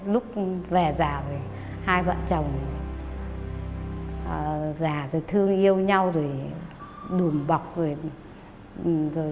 lúc về già thì hai vợ chồng già rồi thương yêu nhau rồi đùm bọc rồi